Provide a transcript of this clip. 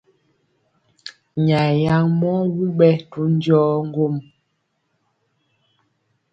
Nyayɛ yaŋ mɔ wuŋ ɓɛ to njɔɔ ŋgwom.